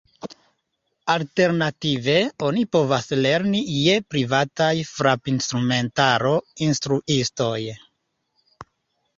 Alternative oni povas lerni je privataj frapinstrumentaro-instruistoj.